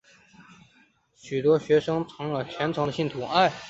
许多学生成了虔诚的信徒。